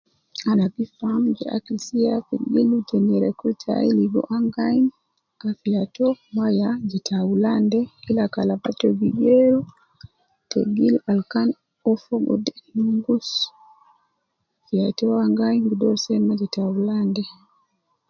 Ana gi faam je akil siya fi gildu te nyereku tayi, ligo an gi ayinu afiya to, mma ya je taulan de, kila kalama to gi geeru, tegil al kan uwo fogo de nongus, ya tu ana gi ayin gi doru seme je taulan de.